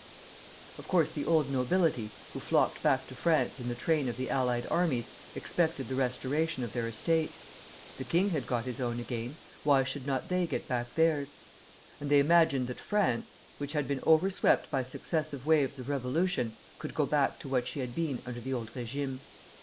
Of course the old nobility, who flocked back to France in the train of the allied armies, expected the restoration of their estates. The king had got his own again, why should not they get back theirs? And they imagined that France, which had been overswept by successive waves of revolution, could go back to what she had been under the old régime.